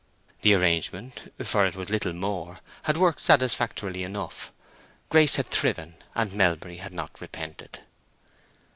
The arrangement—for it was little more—had worked satisfactorily enough; Grace had thriven, and Melbury had not repented.